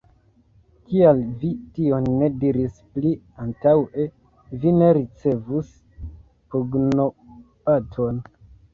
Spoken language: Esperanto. Kial vi tion ne diris pli antaŭe, vi ne ricevus pugnobaton!